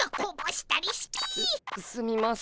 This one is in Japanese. すすみません。